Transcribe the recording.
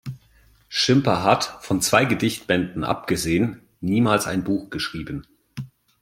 Schimper hat, von zwei Gedichtbänden abgesehen, niemals ein Buch geschrieben.